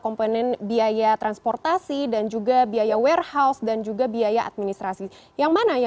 ketika itu presiden marah